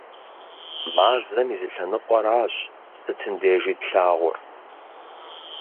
Мазэм и зы лъэныкъуэращ сытым дежи тлъагъур.